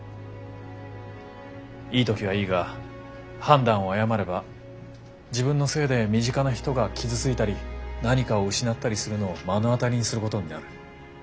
いい時はいいが判断を誤れば自分のせいで身近な人が傷ついたり何かを失ったりするのを目の当たりにすることになる。